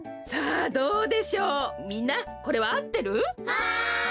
はい！